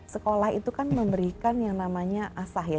sekolah itu kan memberikan yang namanya asah ya